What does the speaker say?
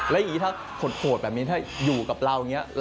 แล้วยังงี้ถ้าโหดแบบนี้ถ้าอยู่กับเรานี้